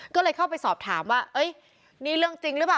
ก็เลยเข้าไปสอบถามว่านี่เรื่องจริงหรือเปล่า